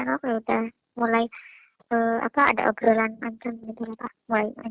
aku mau aku bilang gitu kan